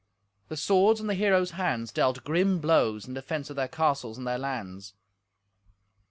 The swords in the heroes' hands dealt grim blows in defence of their castles and their lands.